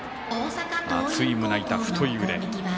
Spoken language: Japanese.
厚い胸板、太い腕。